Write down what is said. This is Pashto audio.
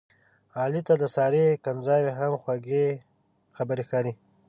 علي ته د سارې کنځاوې هم په خوږې خبرې ښکاري.